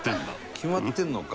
決まってるのか。